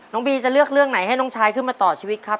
บีจะเลือกเรื่องไหนให้น้องชายขึ้นมาต่อชีวิตครับ